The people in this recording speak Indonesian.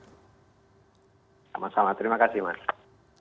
sama sama terima kasih mas